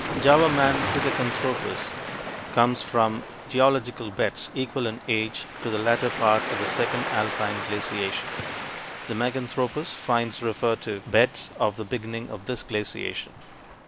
Java man, Pithecanthropus, comes from geological beds equal in age to the latter part of the second alpine glaciation; the Meganthropus finds refer to beds of the beginning of this glaciation.